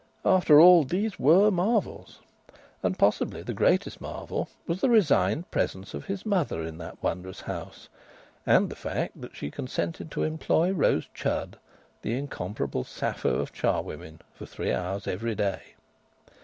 After all, these were marvels. (And possibly the greatest marvel was the resigned presence of his mother in that wondrous house, and the fact that she consented to employ Rose Chudd, the incomparable Sappho of charwomen, for three hours every day.)